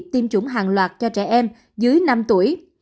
tiêm chủng hàng loạt cho trẻ em dưới năm tuổi